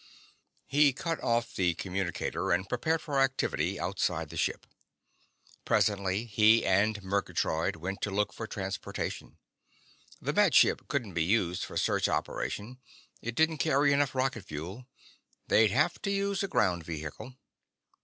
He cut off the communicator and prepared for activity outside the ship. Presently he and Murgatroyd went to look for transportation. The Med Ship couldn't be used for a search operation; it didn't carry enough rocket fuel. They'd have to use a ground vehicle.